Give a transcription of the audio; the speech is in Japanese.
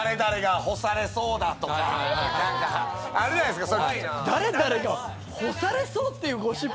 何かあるじゃないですか。